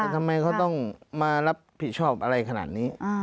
ทำไมเขาต้องมารับผิดชอบอะไรขนาดนี้